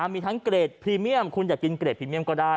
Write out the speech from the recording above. มีทั้งเกรดพรีเมียมคุณอยากกินเกรดพรีเมียมก็ได้